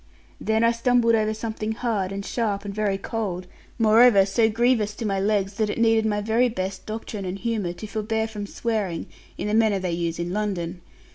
Then I stumbled over something hard, and sharp, and very cold, moreover so grievous to my legs that it needed my very best doctrine and humour to forbear from swearing, in the manner they use in London.